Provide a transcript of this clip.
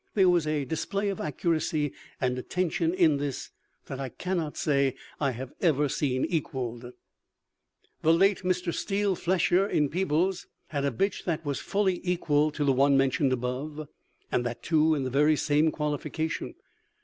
There was a display of accuracy and attention in this that I cannot say I have ever seen equalled. "The late Mr. Steel, flesher in Peebles, had a bitch that was fully equal to the one mentioned above, and that, too, in the very same qualification.